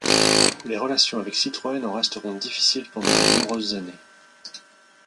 Les relations avec Citroën en resteront difficiles pendant de nombreuses années.